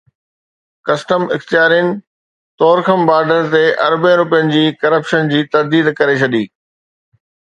custom اختيارين Torkham border تي اربين رپين جي ڪرپشن جي ترديد ڪري ڇڏي